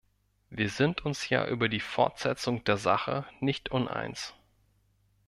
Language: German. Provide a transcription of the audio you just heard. Wir sind uns ja über die Fortsetzung der Sache nicht uneins.